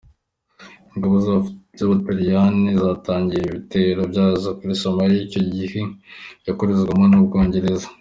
Ingabo z’abataliyani zatangiye ibitero byazo kuri Somalia icyo gihe yakoronizwaga n’u Bwongereza.